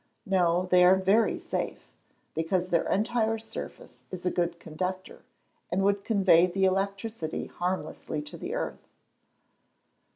_ No; they are very safe, because their entire surface is a good conductor, and would convey the electricity harmlessly to the earth.